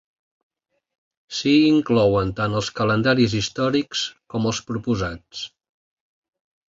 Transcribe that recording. S'hi inclouen tant els calendaris històrics com els proposats.